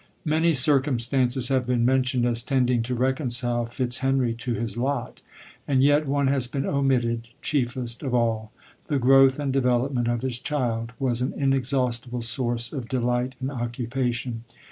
Many circumstances have been mentioned as tending to reconcile Fitzhenry to his lot ; and yet one has been omitted, chiefest of all; — the growth and development of his child was an inexhaustible source of delight and occupation.